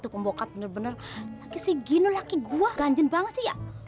bener bener sih gini laki gua ganjen banget ya